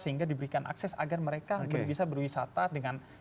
sehingga diberikan akses agar mereka bisa berwisata dengan